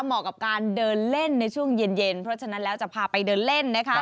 เหมาะกับการเดินเล่นในช่วงเย็นเพราะฉะนั้นแล้วจะพาไปเดินเล่นนะคะ